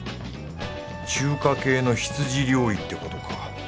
中華系の羊料理ってことか。